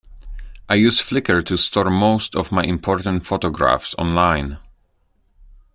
I use Flickr to store most of my important photographs online